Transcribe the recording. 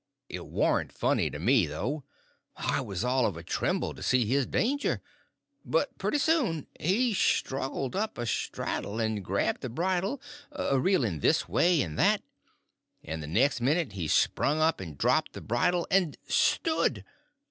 It warn't funny to me, though; I was all of a tremble to see his danger. But pretty soon he struggled up astraddle and grabbed the bridle, a reeling this way and that; and the next minute he sprung up and dropped the bridle and stood!